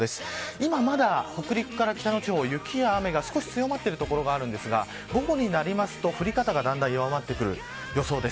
今まだ、北陸から北の地方雪や雨が強まっている所がありますが午後になると降り方が弱ってくる予想です。